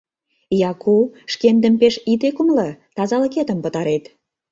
— Яку, шкендым пеш ит ӧкымлӧ, тазалыкетым пытарет.